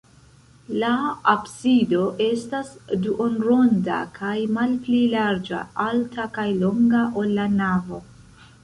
La absido estas duonronda kaj malpli larĝa, alta kaj longa, ol la navo.